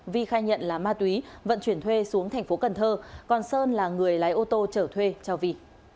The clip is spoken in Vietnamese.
vi khai nhận là ma túy vận chuyển thuê xuống tp cnh còn sơn là người lái ô tô chở thuê cho vi